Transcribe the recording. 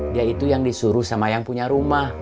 dia itu yang disuruh sama yang punya rumah